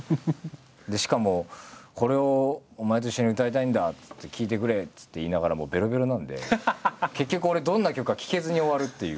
でしかも「これをお前と一緒に歌いたいんだ」っつって「聴いてくれ」っつって言いながらもうべろべろなんで。結局俺どんな曲か聴けずに終わるっていう。